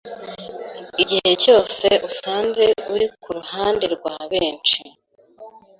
Igihe cyose usanze uri kuruhande rwa benshi,